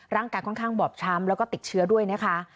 ร่างกายค่อนข้างบอบช้ำแล้วก็ติดเชื้อด้วยนะคะ